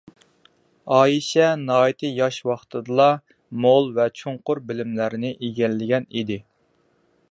ئائىشە ناھايىتى ياش ۋاقتىدىلا مول ۋە چوڭقۇر بىلىملەرنى ئىگىلىگەن ئىدى.